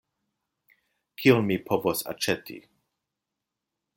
Kion mi povos aĉeti?